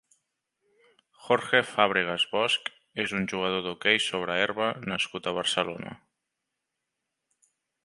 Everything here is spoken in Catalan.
Jorge Fábregas Bosch és un jugador d'hoquei sobre herba nascut a Barcelona.